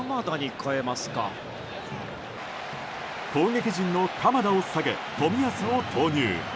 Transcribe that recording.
攻撃陣の鎌田を下げ冨安を投入。